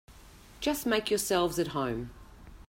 Just make yourselves at home.